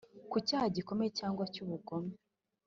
ku cyaha gikomeye cyangwa cy ubugome